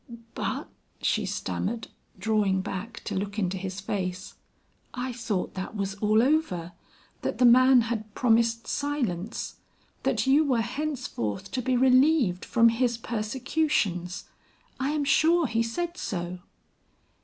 "But," she stammered, drawing back to look into his face, "I thought that was all over; that the man had promised silence; that you were henceforth to be relieved from his persecutions? I am sure he said so."